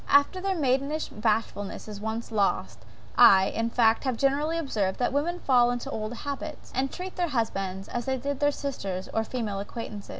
After their maidenish bashfulness is once lost, I, in fact, have generally observed, that women fall into old habits; and treat their husbands as they did their sisters or female acquaintance.